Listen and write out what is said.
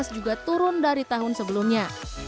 dua ribu delapan belas juga turun dari tahun sebelumnya